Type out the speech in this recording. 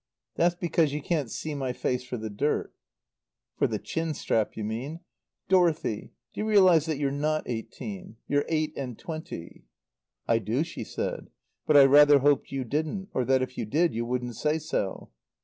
"That's because you can't see my face for the dirt." "For the chin strap, you mean. Dorothy do you realize that you're not eighteen? You're eight and twenty." "I do," she said. "But I rather hoped you didn't; or that if you did, you wouldn't say so."